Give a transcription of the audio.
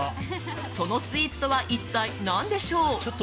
そのスイーツとは一体何でしょう。